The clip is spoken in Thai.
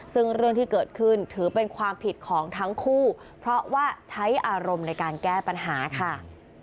ซึ่งเรื่องที่เกิดขึ้นถือเป็นความผิดของทั้งคู่เพราะว่าใช้อารมณ์ในการแก้ปัญหาค่ะ